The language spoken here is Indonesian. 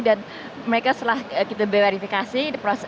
dan mereka setelah kita berverifikasi